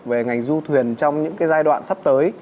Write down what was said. về ngành du thuyền trong những giai đoạn sắp tới